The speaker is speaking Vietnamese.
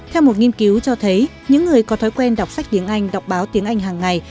theo một nghiên cứu cho thấy những người có thói quen đọc sách tiếng anh đọc báo tiếng anh hàng ngày